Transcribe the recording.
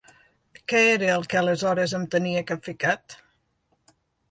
Que era el que aleshores em tenia capficat?.